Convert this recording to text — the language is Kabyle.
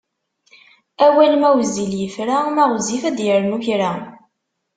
Awal ma wezzil yefra, ma ɣezzif ad d-yernu kra.